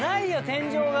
天井が。